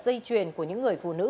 dây chuyển của những người phụ nữ